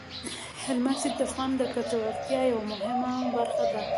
هلمند سیند د افغانانو د ګټورتیا یوه مهمه برخه ده.